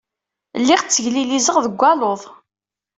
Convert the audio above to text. Lliɣ tteglilizeɣ deg waluḍ.